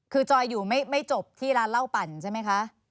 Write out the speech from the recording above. คือจอยอยู่ไม่จบที่ร้านเหล้าปั่นใช่ไหมคะ